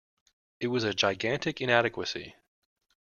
It was a gigantic inadequacy.